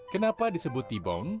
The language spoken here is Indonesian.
kenapa disebut t bone